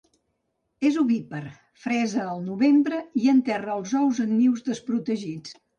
És ovípar, fresa al novembre i enterra els ous en nius desprotegits.